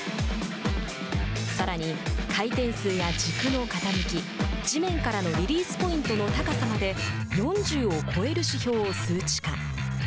さらに、回転数や軸の傾き地面からのリリースポイントの高さまで４０を超える指標を数値化。